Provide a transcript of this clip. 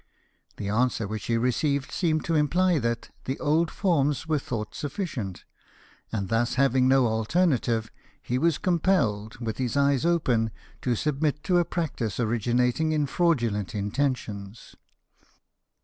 The answer which he received seemed to imply that the old forms were thought sufficient : and thus having no alternative, he was compelled, with his eyes open, to submit to a practice originating in fraudulent intentions.